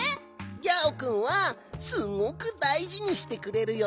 ギャオくんはすごくだいじにしてくれるよ。